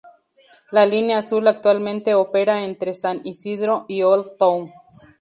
La Línea Azul actualmente opera entre San Ysidro y Old Town.